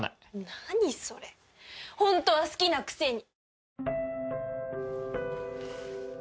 何それホントは好きなくせに。